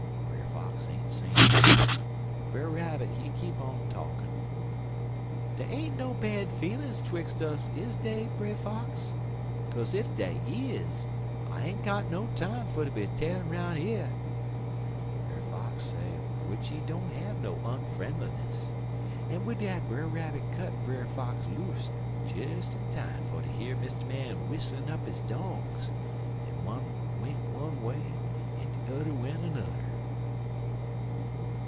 "Brer Fox ain't sayin' nothin', but Brer Rabbit, he keep on talkin': "'Dey ain't no bad feelin's 'twix' us, is dey, Brer Fox? Kaze ef dey is, I ain't got no time fer ter be tarryin' 'roun' yer.' "Brer Fox say w'ich he don't have no onfrennelness, en wid dat Brer Rabbit cut Brer Fox loose des in time fer ter hear Mr. Man w'isserlin up his dogs, en one went one way en de udder went nudder."